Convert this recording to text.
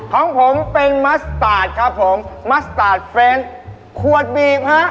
ของผมเป็นมัสตาร์ทครับผมมัสตาร์ทเฟรนด์ขวดบีบฮะ